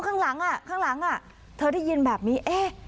ข้างหลังอ่ะข้างหลังเธอได้ยินแบบนี้เอ๊ะ